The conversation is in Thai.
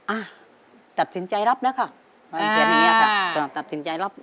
อ่ะตัดสินใจรับนะค่ะตัดสินใจรับ